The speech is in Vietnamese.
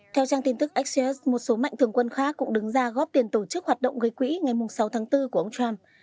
theo trang tin tức axios một số mạnh thường quân khác cũng đứng ra góp tiền tổ chức hoạt động gây quỹ ngày sáu tháng bốn của ông trump